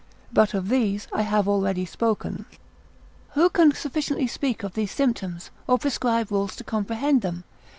But of these I have already spoken. Who can sufficiently speak of these symptoms, or prescribe rules to comprehend them?